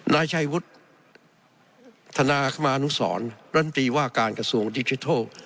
นายชัยวุฒิธนาคมานุสรรันตีว่าการกระทรวงดิจิทัล